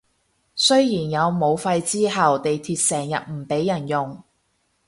雖然有武肺之後地鐵成日唔畀人用